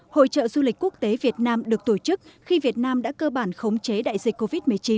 hội trợ du lịch quốc tế việt nam được tổ chức khi việt nam đã cơ bản khống chế đại dịch covid một mươi chín